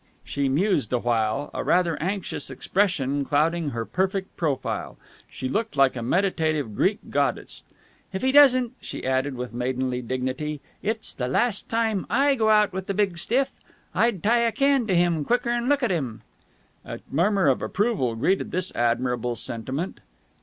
She mused awhile, a rather anxious expression clouding her perfect profile. She looked like a meditative Greek goddess. "If he doesn't," she added with maidenly dignity, "it's the last time I go out with the big stiff. I'd tie a can to him quicker'n look at him!" A murmur of approval greeted this admirable sentiment.